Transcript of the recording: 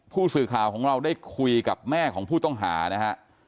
ผู้สื่อข่าวของเราได้คุยกับแม่ของผู้ต้องหานะฮะ